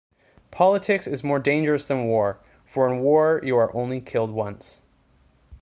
Politics is more dangerous than war, for in war you are only killed once.